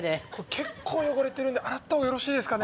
結構汚れてるんで洗ったほうがよろしいですかね。